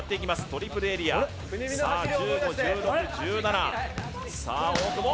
トリプルエリアさあ１５・１６・１７さあ大久保